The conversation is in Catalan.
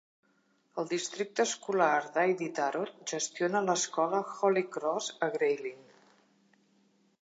El districte escolar d'Iditarod gestiona l'escola Holy Cross, a Grayling.